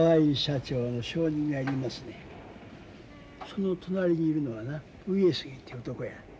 その隣にいるのはな上杉っていう男や。